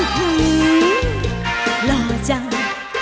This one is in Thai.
หล่อจัง